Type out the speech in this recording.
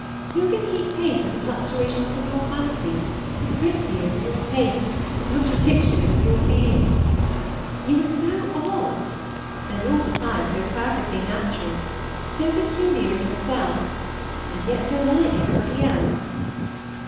Who can keep pace with the fluctuations of your fancy, the capprizios of your taste, the contradictions of your feelings? You are so odd, and all the time so perfectly natural! so peculiar in yourself, and yet so like everybody else!